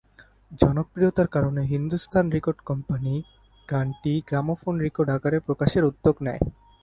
জনপ্রিয়তার কারণে Hindustan record company গানটি গ্রামোফোন রেকর্ড আকারে প্রকাশের উদ্যোগ নেয়।